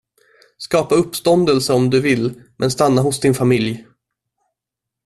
Skapa uppståndelse om du vill, men stanna hos din familj.